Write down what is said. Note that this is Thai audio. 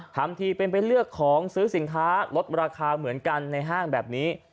ทำทีเป็นไปเลือกของซื้อสินค้าลดราคาเหมือนกันในห้างแบบนี้